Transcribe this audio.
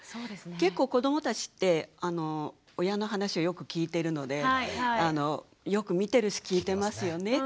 結構子どもたちって親の話をよく聞いてるのでよく見てるし聞いてますよね。